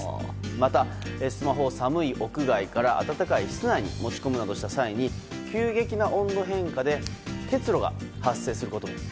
また、スマホを寒い屋外から暖かい室内に持ち込むなどした際に急激な温度変化で結露が発生することも。